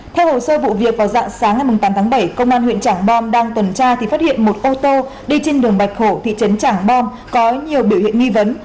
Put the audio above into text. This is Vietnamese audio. theo hồ sơ vụ việc vào dạng sáng ngày tám tháng bảy công an huyện trảng bom đang tuần tra thì phát hiện một ô tô đi trên đường bạch hổ thị trấn trảng bom có nhiều biểu hiện nghi vấn